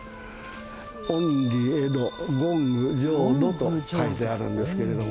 厭離穢土欣求浄土と書いてあるんですけれども。